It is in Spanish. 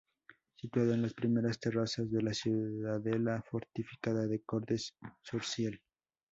Situado en las primeras terrazas de la ciudadela fortificada de Cordes-sur-Ciel.